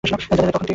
যায়েদ তখন কিশোর।